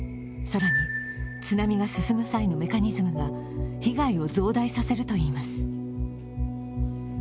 さらに、津波が進む際のメカニズムが被害を増大させると言います。